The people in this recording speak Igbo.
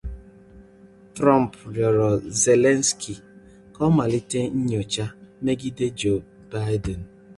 Trump rịọrọ Zelensky ka ọ malite nnyocha megide Joe Biden